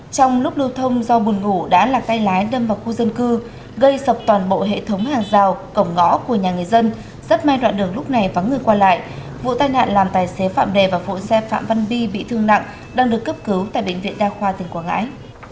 trong lúc lưu thông do bùn ngủ đã là tay lái đâm vào khu dân cư gây sập toàn bộ hệ thống hàng rào cổng ngõ của nhà người dân rất may đoạn đường lúc này vắng người qua lại vụ tai nạn làm tài xế phạm đề và phụ xe phạm văn vi bị thương nặng đang được cấp cứu tại bệnh viện đa khoa tỉnh quảng ngãi